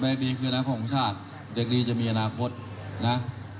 คดีคืออนาคตของชาติเด็กดีจะมีอนาคตนะ